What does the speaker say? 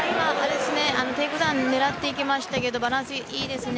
テイクダウン狙っていきましたがバランスいいですね。